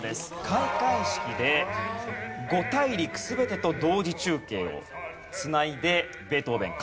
開会式で五大陸全てと同時中継を繋いでベートーヴェン